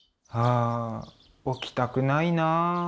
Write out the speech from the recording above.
あ起きたくないなあ。